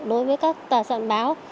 đối với các tòa sản báo